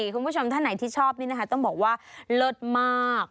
คุณผู้ชมท่านไหนที่ชอบนี่นะคะต้องบอกว่าเลิศมาก